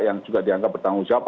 yang juga dianggap bertanggung jawab